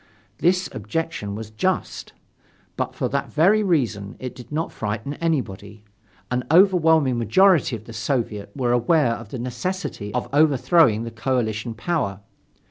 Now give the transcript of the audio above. This objection was just: But for that very reason it did not frighten anybody. An overwhelming majority of the Soviet was aware of the necessity of overthrowing the coalition power.